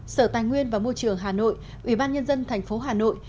sở tài nguyên và môi trường hà nội ủy ban nhân dân thành phố hà nội